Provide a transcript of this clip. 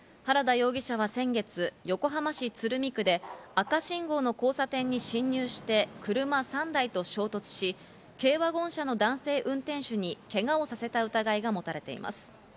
原田容疑者は先月、横浜市鶴見区で赤信号の交差点に進入して車３台と衝突し、軽ワゴン車の男性運転手にけがをさせた疑いが持たれています。